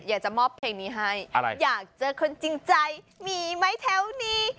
อยากจะมอบเพลงนี้ให้อยากเจอคนจริงใจมีไหมแถวนี้